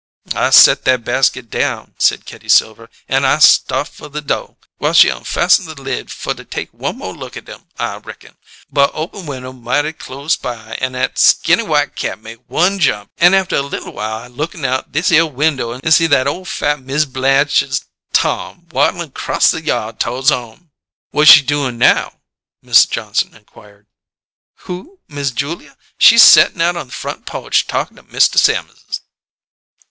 "I set that basket down," said Kitty Silver, "an' I start fer the do', whiles she unfasten the lid fer to take one mo' look at 'em, I reckon: but open window mighty close by, an' nat skinny white cat make one jump, an' after li'l while I lookin' out thishere window an' see that ole fat Miz Blatch's tom, waddlin' crost the yod todes home." "What she doin' now?" Mrs. Johnson inquired. "Who? Miss Julia? She settin' out on the front po'che talkin' to Mista Sammerses."